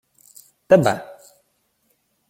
— Тебе.